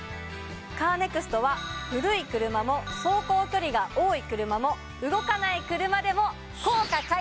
カーネクストは古い車も走行距離が多い車も動かない車でも。